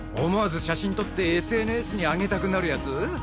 思わず写真撮ってＳＮＳに上げたくなるやつ？